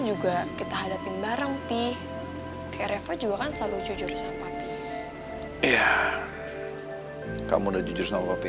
juga kita hadapin bareng pih ke refah juga kan selalu jujur sama iya kamu dan jujur sama papi